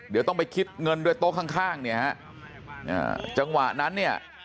เดี๋ยวต้องไปคิดเงินด้วยโต๊ะข้างเนี่ยฮะจังหวะนั้นเนี่ย